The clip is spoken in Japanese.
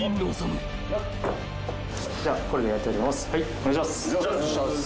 お願いします。